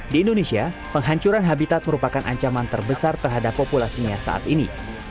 di indonesia penghancuran habitat merupakan ancaman terbesar terhadap populasinya saat ini